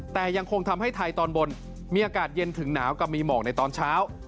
แต่ยังคงทำให้ไทยตอนบนมีอากาศเย็นถึงหนาวกับมีหมอกในตอนเช้า